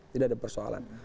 tidak ada persoalan